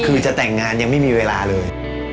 คือจะแต่งงานยังไม่มีเวลาเลย